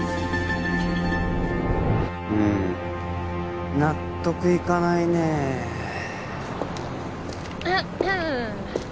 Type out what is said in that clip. うーん納得いかないねえ